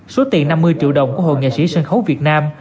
số tiền năm mươi triệu đồng của hội nghệ sĩ sân khấu việt nam